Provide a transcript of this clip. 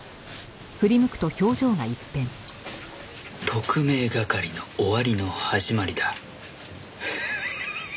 特命係の終わりの始まりだ。